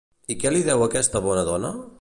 I què li deu aquesta bona dona?